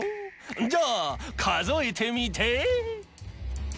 じゃあかぞえてみて？